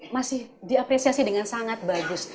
masih diapresiasi dengan sangat bagus